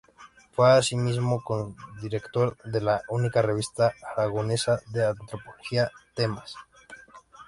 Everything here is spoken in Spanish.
Fue asimismo codirector de la única revista aragonesa de antropología, "Temas".